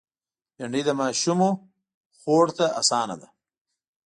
بېنډۍ د ماشومو خوړ ته آسانه ده